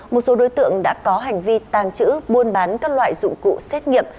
một số đối tượng đã có hành vi tàng trữ buôn bán các loại dụng cụ xét nghiệm